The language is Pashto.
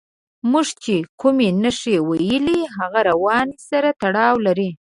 موږ چې کومې نښې وویلې هغه روان سره تړاو لري.